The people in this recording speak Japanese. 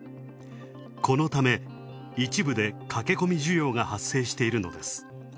このため、一部で駆け込み需要が発生しているのです。